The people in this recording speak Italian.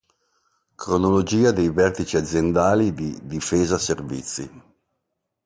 Cronologia dei vertici aziendali di Difesa Servizi.